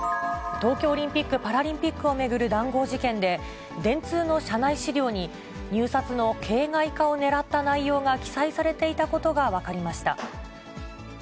東京オリンピック・パラリンピックを巡る談合事件で、電通の社内資料に、入札の形骸化をねらった内容が記載されていたことが分かりました。